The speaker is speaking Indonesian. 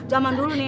zaman dulu nih